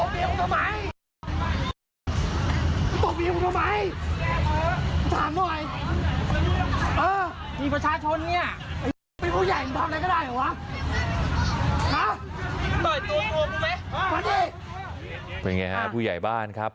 เป็นไงฮะผู้ใหญ่บ้านครับ